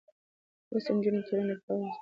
لوستې نجونې د ټولنې د باور فضا پياوړې کوي.